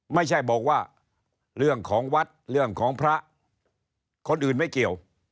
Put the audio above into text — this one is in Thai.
ไม่ใช่บอกว่าเรื่องของวัดเรื่องของพระคนอื่นไม่เกี่ยว